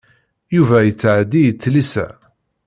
Yuba yettɛeddi i tlisa.